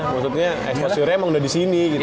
maksudnya exposure nya emang udah disini gitu